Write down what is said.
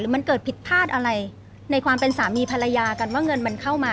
มันเกิดผิดพลาดอะไรในความเป็นสามีภรรยากันว่าเงินมันเข้ามา